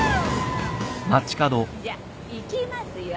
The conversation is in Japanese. じゃあいきますよ。